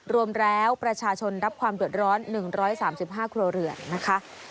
รวมแล้วประชาชนรับความเดือดร้อน๑๓๕ครัวเรือนนะคะ